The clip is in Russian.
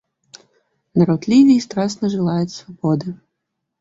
Народ Ливии страстно желает свободы.